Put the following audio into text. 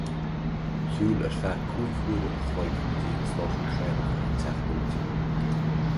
Shiúil ar feadh cúig huaire an chloig go dtí an stáisiún traenach ar an Teach Dóite.